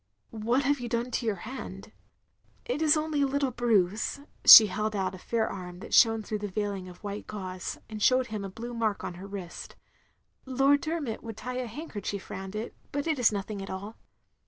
" "What have you done to yotir hand?'* "It is only a little bruise —" she held out a fair arm that shone through its veiling of white gauze, and showed him a blue mark on her wrist ;" Lord Dermot would tie a handkerchief round it, but it is nothing at all.